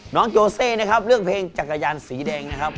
โจเซนะครับเลือกเพลงจักรยานสีแดงนะครับ